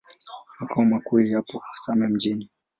Makao makuu yapo Same Mjini.